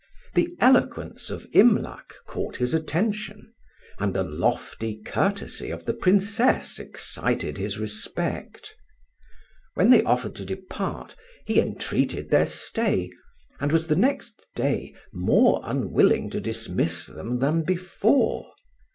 The eloquence of Imlac caught his attention, and the lofty courtesy of the Princess excited his respect. When they offered to depart, he entreated their stay, and was the next day more unwilling to dismiss them than before.